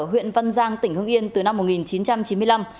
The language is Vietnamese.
huyện văn giang tỉnh hưng yên từ năm một nghìn chín trăm chín mươi năm